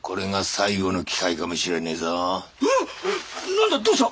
何だどうした！？